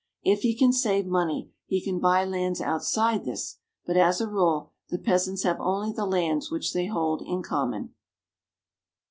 If he can save money, he can buy lands outside this, but, as a rule, the peasants have only the lands which they hold in common.